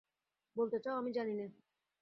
বলতে চাও, আমি জানি নে?